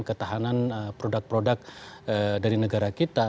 ketahanan produk produk dari negara kita